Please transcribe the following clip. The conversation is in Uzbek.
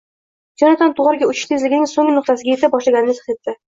Jonatan to‘g‘riga uchish tezligining so‘nggi nuqtasiga yeta boshlaganini his etdi.